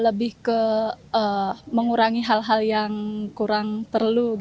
lebih ke mengurangi hal hal yang kurang perlu